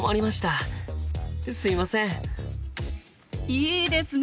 いいですね！